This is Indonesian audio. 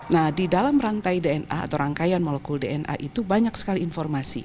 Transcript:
nah di dalam rantai dna atau rangkaian molekul dna itu banyak sekali informasi